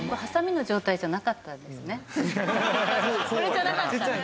これじゃなかった。